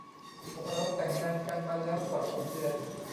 พวกเราแต่งงานกันมาแล้วกว่าสองเดือน